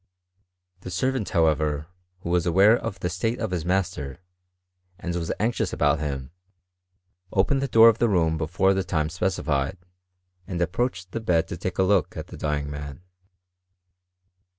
The servant, hoKf ever, who was aware of the state of his master, andwRH anxious about him, opened the door of the room befon^ the time specified, and approached the bed to take, a look atthe dying man.